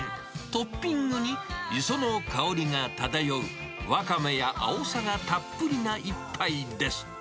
トッピングに磯の香りが漂うわかめやあおさがたっぷりないっぱい